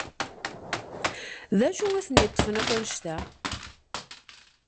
D acu i ten-yeṭṭfen akk anecta?